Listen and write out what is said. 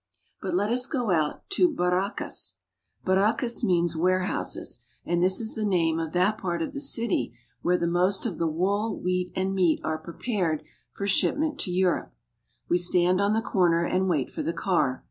But let us go out to Barraccas. Barraccas" means ware houses, and this is the name of that part of the city where the most of the wool, wheat, and meat are prepared for shipment to Europe. We stand on the corner and wait for the car.